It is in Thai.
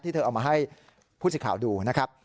เธอเอามาให้ผู้สิทธิ์ข่าวดูนะครับ